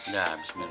makasih ya bang